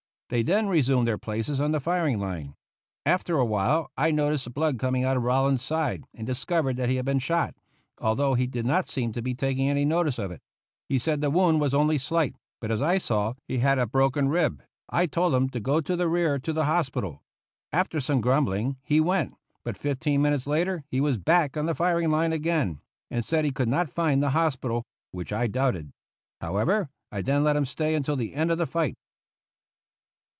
They then resumed their places on the firing line. After awhile I noticed blood coming out of Rowland's side and discovered that he had been shot, although he did not seem to be taking any notice of it. He said the wound was only slight, but as I saw he had broken a rib, I told him to go to the rear to the hospital. After some grumbling he went, but fifteen minutes later he was back on the firing line again and said he could not find the hospital which I doubted. However, I then let him stay until the end of the fight.